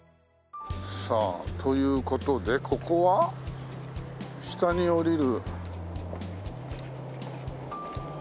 さあという事でここは下に下りる。